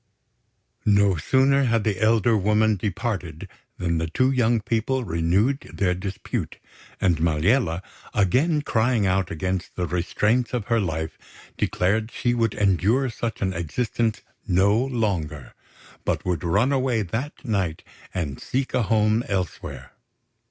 No sooner had the elder woman departed than the two young people renewed their dispute; and Maliella, again crying out against the restraints of her life, declared she would endure such an existence no longer, but would run away that night and seek a home elsewhere.